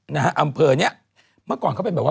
อำเภอเนี่ยเมื่อก่อนเขา